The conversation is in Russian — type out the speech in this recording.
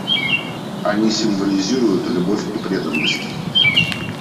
Они символизируют любовь и преданность.